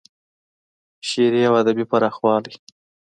شعري او ادبي پراخوالی